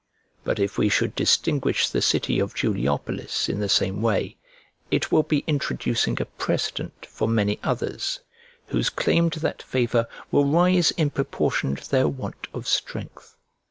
But if we should distinguish the city of Juliopolis in the same way, it will be introducing a precedent for many others, whose claim to that favour will rise in proportion to their want of strength.